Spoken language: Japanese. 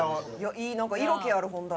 いいなんか色気ある本棚。